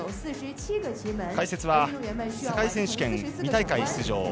解説は世界選手権２大会出場